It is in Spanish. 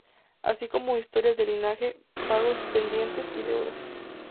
Así como su historia de linaje, pagos pendientes y deudas.